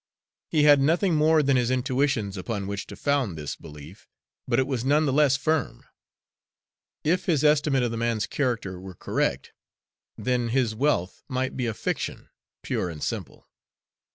He had nothing more than his intuitions upon which to found this belief, but it was none the less firm. If his estimate of the man's character were correct, then his wealth might be a fiction, pure and simple.